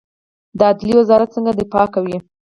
د عدلیې وزارت څنګه دفاع کوي؟